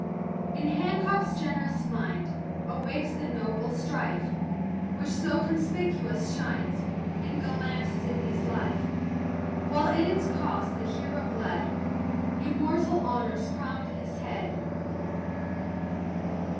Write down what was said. In Hancock's generous mind Awakes the noble strife, Which so conspicuous shined In gallant Sydney's life; While in its cause the hero bled, Immortal honors crown'd his head.